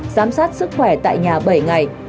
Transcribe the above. giám sát sức khỏe tại nhà bảy ngày